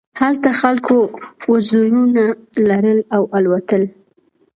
هلته خلکو وزرونه لرل او الوتل.